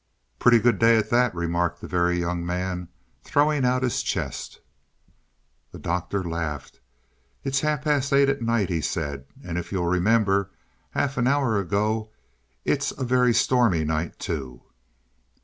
"Pretty good day, at that," remarked the Very Young Man, throwing out his chest. The Doctor laughed. "It's half past eight at night," he said. "And if you'll remember half an hour ago, it's a very stormy night, too."